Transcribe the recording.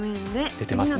出てますね。